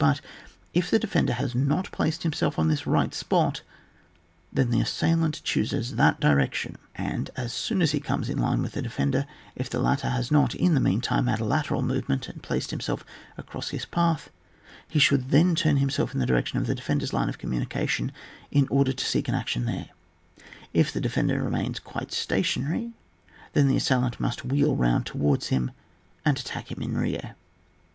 But if the defender has not placed himself on this right spot, then the assailant chooses that direction, and as soon as he comes in line with the defender, if the latter has not in the mean time made a lateral movement, and placed himself across his path, he should turn himself in the direc tion of the defender's line of communica tion in order to seek an action there ; if the defender remains quite station ary, then the assailant must wheel round towards him and attack him in rear.